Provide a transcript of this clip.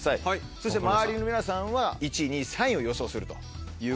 そして周りの皆さんは１位２位３位を予想するということで。